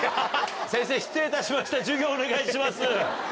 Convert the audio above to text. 先生失礼いたしました授業をお願いします。